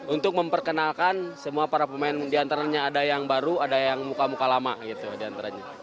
untuk memperkenalkan semua para pemain diantaranya ada yang baru ada yang muka muka lama gitu diantaranya